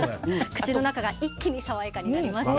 口の中が一気に爽やかになりますよね。